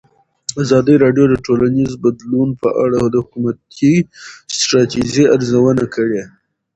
ازادي راډیو د ټولنیز بدلون په اړه د حکومتي ستراتیژۍ ارزونه کړې.